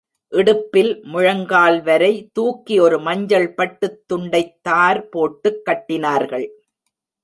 இடுப்பில் முழங்கால் வரை, தூக்கி ஒரு மஞ்சள் பட்டுத் துண்டைத் தார் போட்டுக் கட்டினார்கள்.